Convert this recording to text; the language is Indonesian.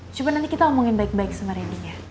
coba nanti kita omongin baik baik sama randy ya